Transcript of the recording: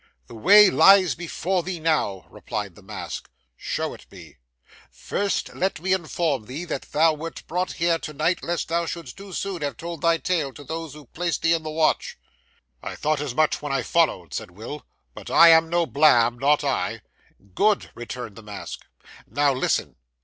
'The way lies before thee now,' replied the Mask. 'Show it me.' 'First let me inform thee, that thou wert brought here to night lest thou shouldst too soon have told thy tale to those who placed thee on the watch.' 'I thought as much when I followed,' said Will. 'But I am no blab, not I.' 'Good,' returned the Mask. 'Now listen.